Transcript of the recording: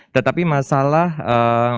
tetapi masalah ee